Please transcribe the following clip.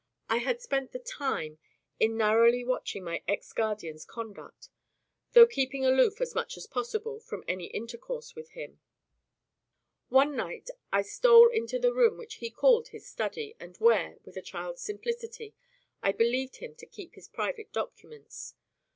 I had spent the time in narrowly watching my ex guardian's conduct, though keeping aloof, as much as possible, from any intercourse with him. One night, I stole into the room which he called his study, and where (with a child's simplicity) I believed him to keep his private documents.